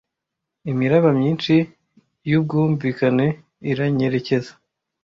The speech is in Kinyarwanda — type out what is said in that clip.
imiraba myinshi yubwumvikane iranyerekeza